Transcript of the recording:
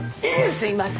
すいません